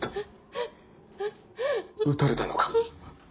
打たれたのか？